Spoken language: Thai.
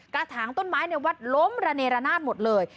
ถางต้นไม้ในวัดล้มระเนรนาศหมดเลย